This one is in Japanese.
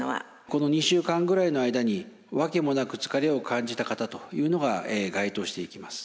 この２週間ぐらいの間に訳もなく疲れを感じた方というのが該当していきます。